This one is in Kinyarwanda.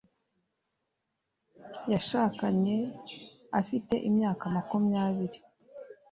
yashakanye afite imyaka makumyabiri